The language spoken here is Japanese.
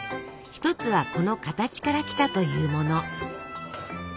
一つはこの形から来たというもの。